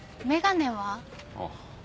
ああ。